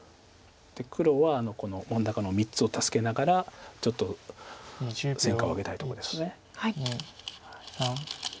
黒はこの真ん中の３つを助けながらちょっと戦果を挙げたいとこです。